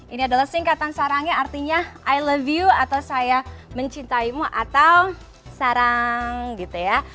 ini adalah singkatan sarangnya artinya i love you atau saya mencintaimu atau sarang gitu ya